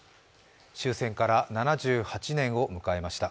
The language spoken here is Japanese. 終戦から７８年を迎えました。